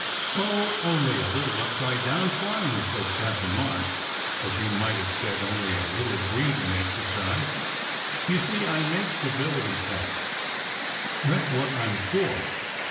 "Oh, only a little upside down flying," said Captain March, as he might have said "only a little breathing exercise." "You see, I make stability tests. That s what I m for.